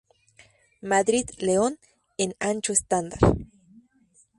Madrid-León" en ancho estándar.